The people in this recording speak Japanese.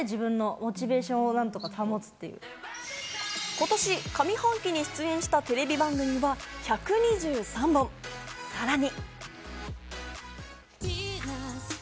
今年、上半期に出演したテレビ番組は１２３本、さらに。